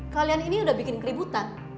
kalian ini udah bikin keributan